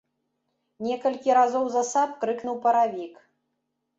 Некалькі разоў засаб крыкнуў паравік.